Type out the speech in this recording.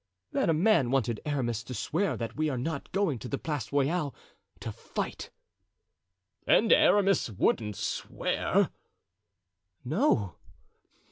"That man wanted Aramis to swear that we are not going to the Place Royale to fight." "And Aramis wouldn't swear?" "No."